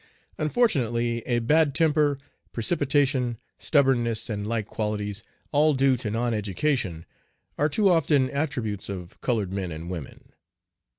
Unfortunately a bad temper, precipitation, stubbornness, and like qualities, all due to non education, are too often attributes of colored men and women.